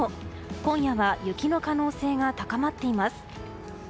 今夜は雪の可能性が高まっています。